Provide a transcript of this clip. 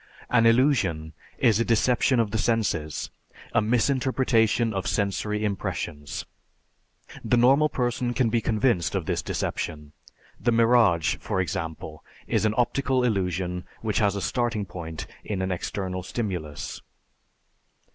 An illusion is a deception of the senses, a misinterpretation of sensory impressions; the normal person can be convinced of this deception. The mirage, for example, is an optical illusion which has a starting point in an external stimulus.